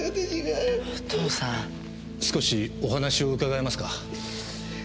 少しお話を伺えますか？